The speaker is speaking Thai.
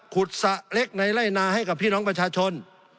สระเล็กในไล่นาให้กับพี่น้องประชาชน